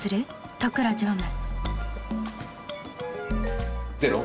都倉常務。